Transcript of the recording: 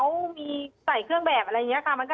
ตอนที่จะไปอยู่โรงเรียนจบมไหนคะ